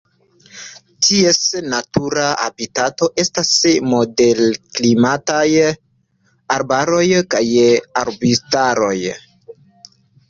Ties natura habitato estas moderklimataj arbaroj kaj arbustaroj.